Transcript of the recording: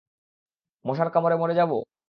মশার কামড়ে মরে যাব?